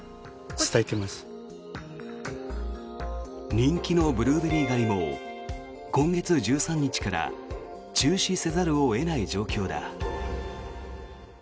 人気のブルーベリー狩りも今月１３日から中止せざるを得ない状況だ。